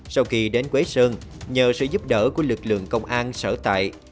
sau khi đến quế sơn nhờ sự giúp đỡ của lực lượng công an sở tại